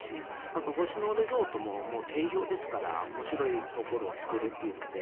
あと、星野リゾートも定評ですから面白いところを作るというので。